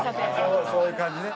そういう感じね。